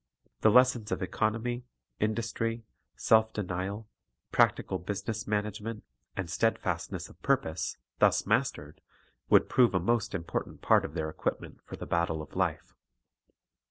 The lessons of economy, industry, self denial, practical busi ness management, and steadfastness of purpose, thus mastered, would prove a most important part of their equipment for the battle of life.